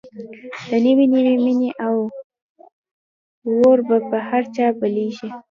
د نوې نوې مینې اور به په هر چا بلېږي